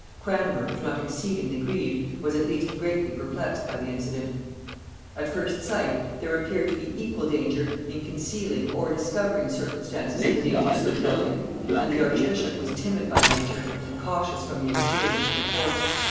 Cranmer, if not exceedingly grieved, was at least greatly perplexed by the incident: at first sight there appeared to be equal danger in concealing or discovering circumstances of a nature so delicate, and the archbishop was timid by nature, and cautious from the experience of a court.